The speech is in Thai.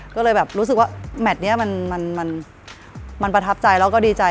ก็เลยแบบรู้สึกว่าแมทนี้มันประทับใจแล้วก็ดีใจ